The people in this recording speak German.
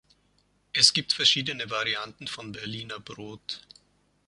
Es gibt verschiedene Varianten von Berliner Brot.